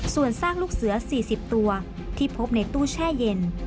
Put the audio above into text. ส่วนซากลูกเสือ๔๐ตัวที่พบในตู้แช่เย็น